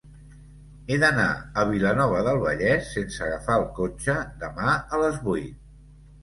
He d'anar a Vilanova del Vallès sense agafar el cotxe demà a les vuit.